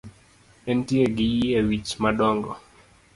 Entie gi yie wich madongo